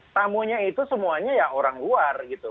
tamunya itu semuanya ya orang luar gitu